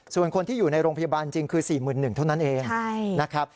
ส่วนคนที่อยู่ในโรงพยาบาลจริงคือ๔๑๐๐เท่านั้นเองนะครับ